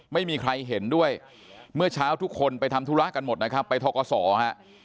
ไม่มีใครเห็นด้วยเมื่อเช้าทุกคนไปทำธุระกันหมดนะครับไปทกศฮะ